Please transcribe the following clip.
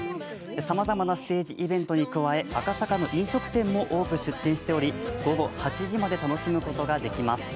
さまざまなステージイベントに加え、赤坂の飲食店も多く出店しており、午後８時まで楽しむことができます